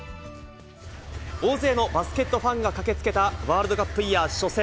大勢のバスケットファンが駆けつけた、ワールドカップイヤー初戦。